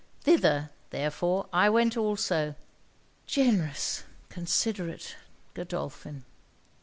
Thither, therefore, I went also.' 'Generous, considerate Godolphin!'